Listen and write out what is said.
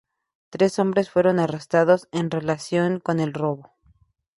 Tres hombres fueron arrestados en relación con el robo.